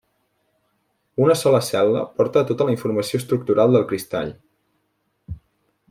Una sola cel·la porta tota la informació estructural del cristall.